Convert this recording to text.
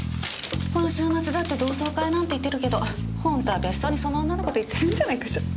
この週末だって同窓会なんて言ってるけどほんとは別荘にその女の子と行ってるんじゃないかしら。